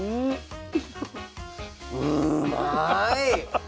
うまいッ！